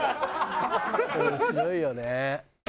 面白いよね。